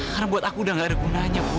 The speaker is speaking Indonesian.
karena buat aku udah gak ada gunanya bu